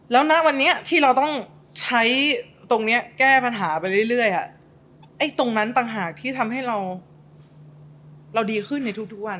แล้วณวันนี้ที่เราต้องใช้ตรงนี้แก้ปัญหาไปเรื่อยไอ้ตรงนั้นต่างหากที่ทำให้เราดีขึ้นในทุกวัน